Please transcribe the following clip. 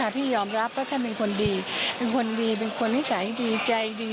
พี่ยอมรับว่าท่านเป็นคนดีเป็นคนดีเป็นคนนิสัยดีใจดี